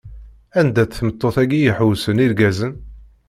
Anda-tt tmeṭṭut-agi i iḥewwṣen irgazen?